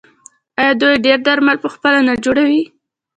آیا دوی ډیری درمل پخپله نه جوړوي؟